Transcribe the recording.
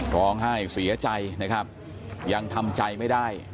ร้องไห้เสียใจนะครับยังทำใจไม่ได้